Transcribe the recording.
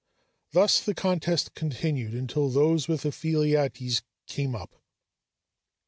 Thus the contest continued until those with Ephialtes came up.